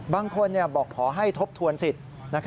บางคนบอกขอให้ทบทวนสิทธิ์